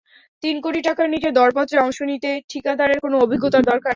তিন কোটি টাকার নিচে দরপত্রে অংশ নিতে ঠিকাদারের কোনো অভিজ্ঞতার দরকার নেই।